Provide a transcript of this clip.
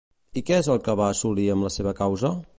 I què és el que va assolir amb la seva causa?